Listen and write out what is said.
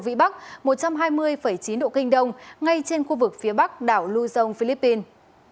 vị bắc một trăm hai mươi chín độ kinh đông ngay trên khu vực phía bắc đảo luzon philippines